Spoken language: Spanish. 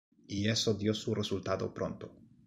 Y eso dio su resultado pronto.